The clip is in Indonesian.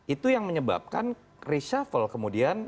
itu yang menyebabkan reshuffle kemudian